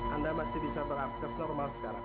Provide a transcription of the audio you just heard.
anda masih bisa beraktif normal sekarang